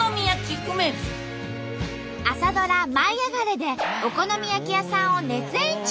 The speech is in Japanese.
朝ドラ「舞いあがれ！」でお好み焼き屋さんを熱演中！